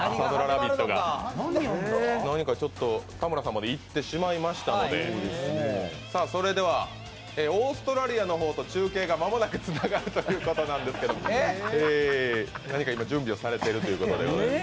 何かちょっと田村さんまで行ってしまいましたのでそれではオーストラリアの方と中継が間もなくつながるということなんですけど、今、準備をされているということでございます。